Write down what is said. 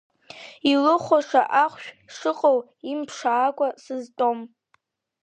Илыхәаша ахәшә шыҟоу, имԥшаакәа сызтәом.